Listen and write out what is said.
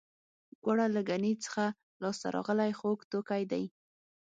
ګوړه له ګني څخه لاسته راغلی خوږ توکی دی